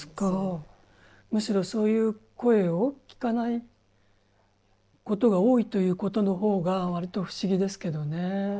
むしろ、そういう声を聞かないことが多いということのほうが割と不思議ですけどね。